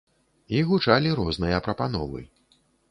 І гучалі розныя прапановы.